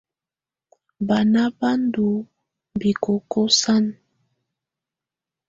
Banà bà ndù bikoko sanà.